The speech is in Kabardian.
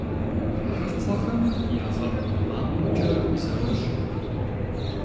Хыкхъуэхэм ягъэӏу макъымкӏэ зэрощӏэ.